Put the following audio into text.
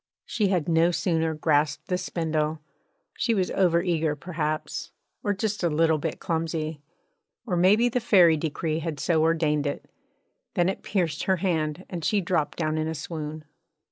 She had no sooner grasped the spindle she was over eager perhaps, or just a little bit clumsy, or maybe the fairy decree had so ordained it than it pierced her hand and she dropped down in a swoon.